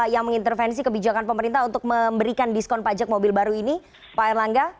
yang mengintervensi kebijakan pemerintah untuk memberikan diskon pajak mobil baru ini pak erlangga